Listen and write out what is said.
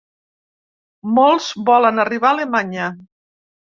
Molts volen arribar a Alemanya.